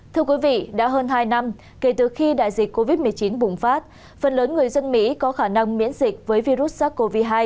trong lúc covid một mươi chín bùng phát phần lớn người dân mỹ có khả năng miễn dịch với virus sars cov hai